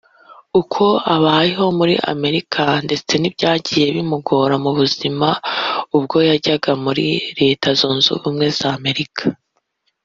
uko abayeho muri Amerika ndetse n'ibyagiye bimugora mu buzima ubwo yajyaga muri Leta Zunze Ubumwe za Amerika